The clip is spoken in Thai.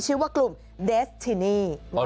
ชื่อว่ากลุ่มเดสทินี